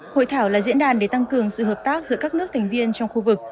hội thảo là diễn đàn để tăng cường sự hợp tác giữa các nước thành viên trong khu vực